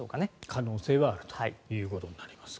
可能性はあるということになります。